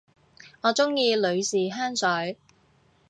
我鍾意女士香水